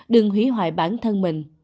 đừng hủy hoại bản thân mình